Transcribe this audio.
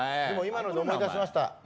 でも今ので思い出しました。